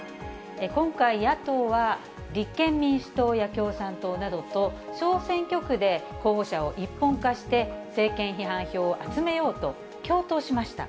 今回、野党は、立憲民主党や共産党などと小選挙区で候補者を一本化して、政権批判票を集めようと、共闘しました。